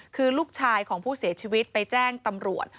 คือลูกชายของผู้เสียชีวิตไปแจ้งตำรวจ